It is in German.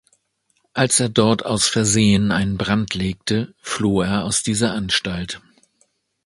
Als er dort aus Versehen einen Brand legte, floh er aus dieser Anstalt.